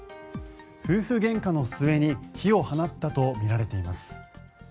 夫婦げんかの末に火を放ったとみられています。